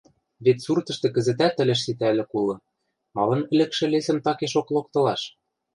Вет суртышты кӹзӹтӓт ӹлӹш ситӓлӹк улы; малын ӹлӹкшӹ лесӹм такешок локтылаш?